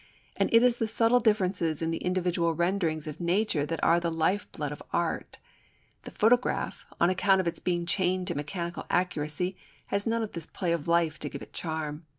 And it is the subtle differences in the individual renderings of nature that are the life blood of art. The photograph, on account of its being chained to mechanical accuracy, has none of this play of life to give it charm.